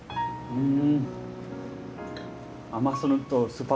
うん。